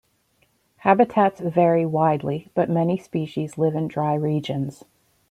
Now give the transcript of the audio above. Habitats vary widely, but many species live in dry regions.